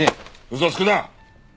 嘘をつくな！